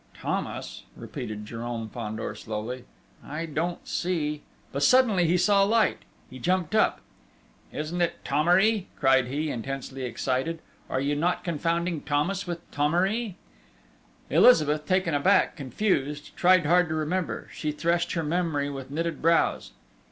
"Thomas?" repeated Jérôme Fandor slowly.... "I don't see...." But suddenly he saw light! He jumped up: "Isn't it Thomery?" cried he, intensely excited. "Are you not confounding Thomas with Thomery?" Elizabeth, taken aback, confused, tried hard to remember: she threshed her memory with knitted brows.